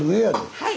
はい。